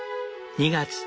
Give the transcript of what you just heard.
２月。